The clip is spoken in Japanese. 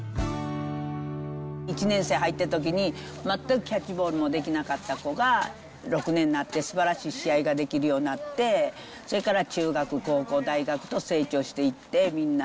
１年生入ったときに、全くキャッチボールもできなかった子が、６年になってすばらしい試合ができるようになって、それから中学、高校、大学と成長していって、みんな。